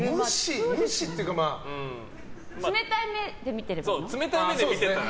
冷たい目で見てればいいの？